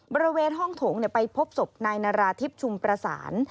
บริเวณห้องโถงไปพบศพนายนาราธิบชุมประสาน